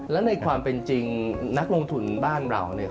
แล้วในความเป็นจริงนักลงทุนบ้านเรา